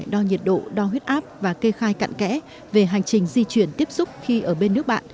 đo nhiệt độ đo huyết áp và kê khai cạn kẽ về hành trình di chuyển tiếp xúc khi ở bên nước bạn